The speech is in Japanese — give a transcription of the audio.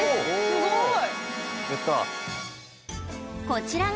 すごい！